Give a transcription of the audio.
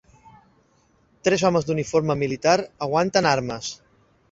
Tres homes d'uniforme militar aguanten armes.